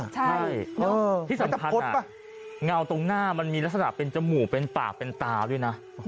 ใช่ที่สำคัญเงาตรงหน้ามันมีลักษณะเป็นจมูกเป็นปากเป็นตาด้วยนะ